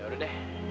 ya udah deh